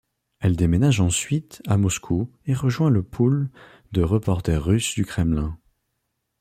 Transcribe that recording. Elle déménage ensuite à Moscou et rejoint le pool de reporters russe du Kremlin.